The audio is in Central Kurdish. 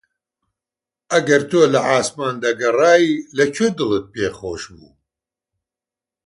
ئەگەر تۆ لە عاسمان دەگەڕای لە کوێ دڵت خۆش بوو؟